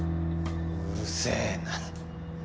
うるせな。